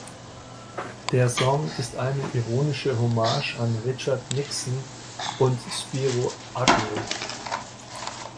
Der Song ist eine ironische Hommage an Richard Nixon und Spiro Agnew.